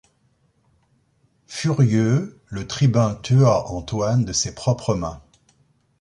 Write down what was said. Furieux, le tribun tua Antoine de ses propres mains.